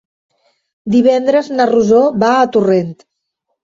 Divendres na Rosó va a Torrent.